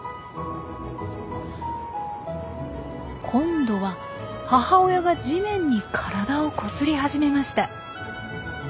今度は母親が地面に体をこすり始めました。